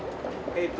「えーっと」